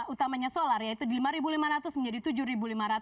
utamanya solar yaitu di rp lima lima ratus menjadi rp tujuh lima ratus